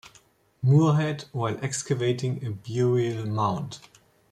Moorehead while excavating a burial mound.